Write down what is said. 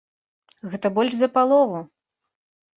Гэта больш за палову!